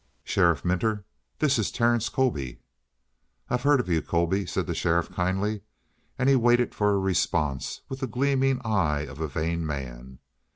"Sheriff Minter, this is Terence Colby." "I've heard of you, Colby," said the sheriff kindly. And he waited for a response with the gleaming eye of a vain man.